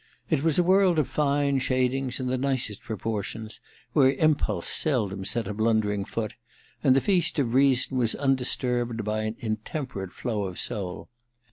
It was a world of fine shadings and the nicest proportions, where impulse seldom set a blunder ing foot, and the feast of reason was undisturbed by an intemperate flow of soul.